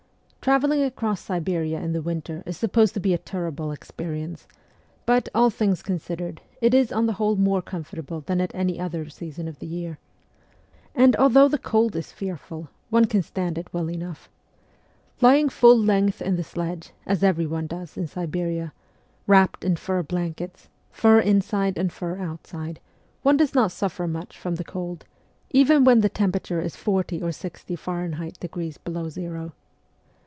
Travelling across Siberia in the winter is supposed to be a terrible experience ; but, all things considered, it is on the whole more comfortable than at any other season of the year. The snow covered roads are excellent, and, although the cold is fearful, one can stand SIBERIA 231 it well enough. Ikying full length in the sledge as everyone does in Siberia wrapped in fur blankets, fur inside and fur outside, one does not suffer much from the cold, even when the temperature is forty or sixty Fahrenheit degrees below zero.